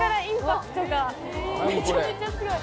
めちゃめちゃすごい。